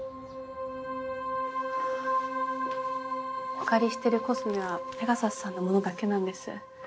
お借りしてるコスメはペガサスさんのものだけなんです。